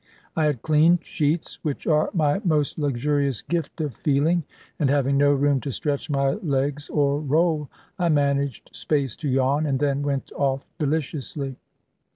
I had clean sheets, which are my most luxurious gift of feeling; and having no room to stretch my legs, or roll, I managed space to yawn, and then went off deliciously.